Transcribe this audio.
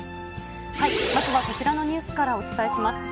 まずはこちらのニュースからお伝えします。